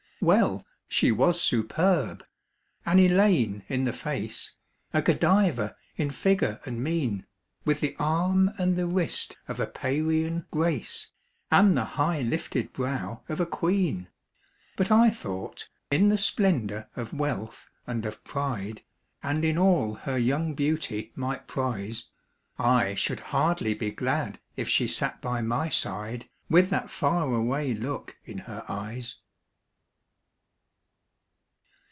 Well, she was superb an Elaine in the face, A Godiva in figure and mien, With the arm and the wrist of a Parian "Grace," And the high lifted brow of a queen; But I thought, in the splendor of wealth and of pride, And in all her young beauty might prize, I should hardly be glad if she sat by my side With that far away look in her eyes.